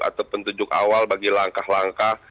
atau petunjuk awal bagi langkah langkah